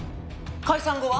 解散後は？